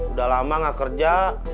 udah lama gak kerja